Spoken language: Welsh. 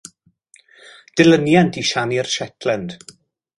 Dilyniant i Siani'r Shetland.